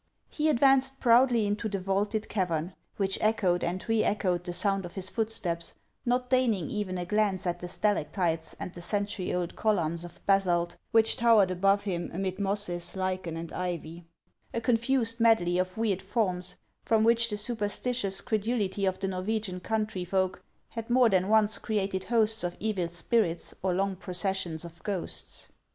He advanced proudly into the vaulted cavern, which 320 HANS OF ICELAND. echoed and re echoed the sound of his footsteps, not deign ing even a glance at the stalactites and the century old columns of hasalt which towered above him amid mosses, lichen, and ivy, — a confused medley of weird forms, from which the superstitious credulity of the Norwegian country folk had more than once created hosts of evil spirits or long processions of ghosts.